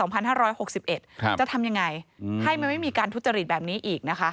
จะทำยังไงให้มันไม่มีการทุจริตแบบนี้อีกนะคะ